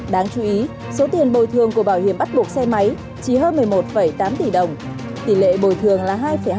đáng chú ý số tiền bồi thường của bảo hiểm bắt buộc xe máy chỉ hơn một mươi một tám tỷ đồng tỷ lệ bồi thường là hai hai